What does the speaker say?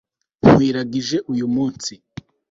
nkwiragije uyu munsi